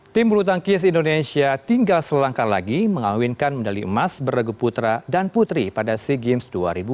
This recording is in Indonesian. tim bulu tangkis indonesia tinggal selangkah lagi mengawinkan medali emas beragu putra dan putri pada sea games dua ribu dua puluh